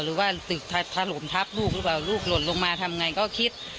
หรือว่าตึกถล่มทับลูกหรือเปล่าลูกหล่นลงมาทำไงก็คิด